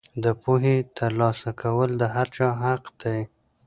د پوهې ترلاسه کول د هر چا حق دی.